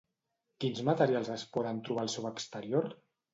Quins materials es poden trobar al seu exterior?